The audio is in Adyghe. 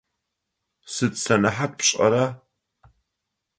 Сыд сэнэхьат пшӏэра?